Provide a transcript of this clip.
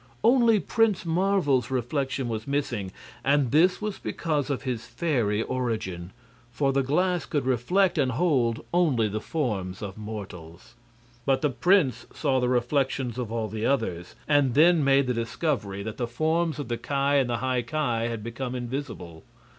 Only Prince Marvel's reflection was missing, and this was because of his fairy origin. For the glass could reflect and hold only the forms of mortals. But the prince saw the reflections of all the others, and then made the discovery that the forms of the Ki and the High Ki had become invisible.